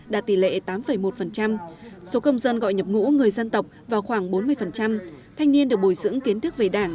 đạt tỷ lệ tám một số công dân gọi nhập ngũ người dân tộc vào khoảng bốn mươi thanh niên được bồi dưỡng kiến thức về đảng